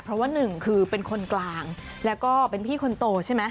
เพราะว่าหนึ่งคือเป็นคนกลางแล้วก็เป็นพี่คนโตใช่ไหม